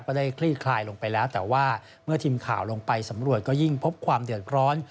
ได้คลี่คลายลงไปแล้วแต่ว่าเมื่อทีมข่าวลงไปสำรวจก็ยิ่งพบความเดือดร้อน